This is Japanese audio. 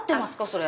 それ。